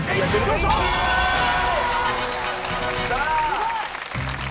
すごい！